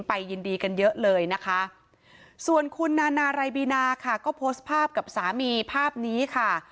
ไปยินดีกันเยอะเลยนะคะส่วนคุณนานารายบีนาค่ะก็โพสต์ภาพกับสามีภาพนี้ค่ะ